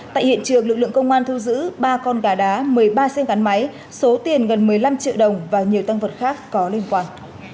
tại hiện trường lực lượng công an thu giữ ba con gà đá một mươi ba xe gắn máy số tiền gần một mươi năm triệu đồng và nhiều tăng vật khác có liên quan